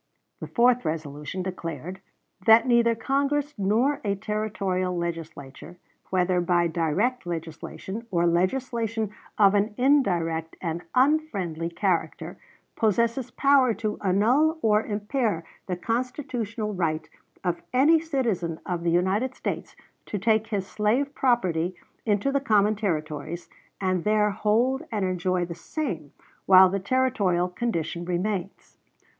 The fourth resolution declared "That neither Congress nor a Territorial Legislature, whether by direct legislation or legislation of an indirect and unfriendly character, possesses power to annul or impair the constitutional right of any citizen of the United States to take his slave property into the common Territories, and there hold and enjoy the same while the Territorial condition remains."